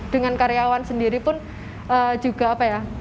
dengan karyawan sendiri pun juga apa ya